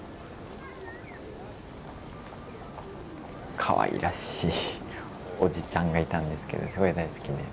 かわいらしいおじちゃんがいたんですけどすごい大好きで。